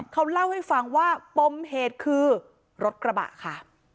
เขาเล่าให้ฟังว่าปมเหตุคือรถกระบะค่ะ